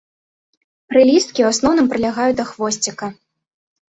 Прылісткі ў асноўным прылягаюць да хвосціка.